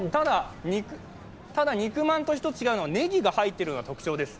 ただ、肉まんと一つ違うのが、ネギが入っているのが特徴です。